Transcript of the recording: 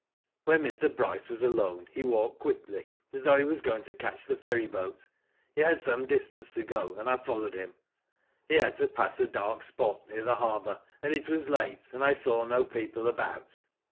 " When Mr. Bryce was alone he walked quickly, as though be was going to catch the ferry boat. He had some distance to go, and I followed him. " He had to pass a dark spot near the harbour, and it was late, and I saw no people about.